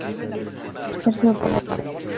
Sergio Valle Duarte.